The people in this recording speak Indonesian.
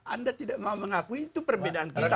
anda tidak mau mengakui itu perbedaan kita